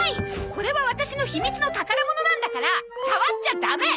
これはワタシの秘密の宝物なんだから触っちゃダメ！